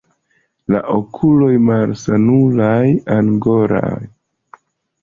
La okuloj malsanulaj, angoraj.